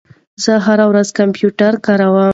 زه هره ورځ کمپیوټر کاروم.